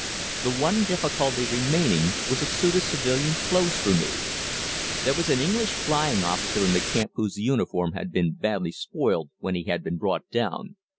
The one difficulty remaining was a suit of civilian clothes for me. There was an English flying officer in the camp whose uniform had been badly spoilt when he had been brought down.